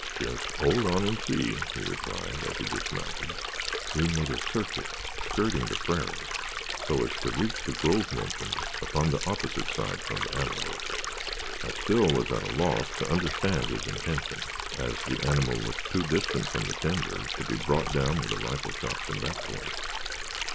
"Jes' hold on and see," he replied, as he dismounted. He made a circuit, skirting the prairie, so as to reach the grove mentioned upon the opposite side from the antelope. I still was at a loss to understand his intention, as the animal was too distant from the timber to be brought down with a rifle shot from that point.